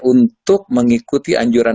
untuk mengikuti anjuran